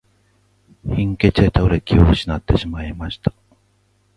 貧血で倒れ、気を失っていました。